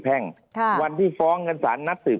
ภารกิจสรรค์ภารกิจสรรค์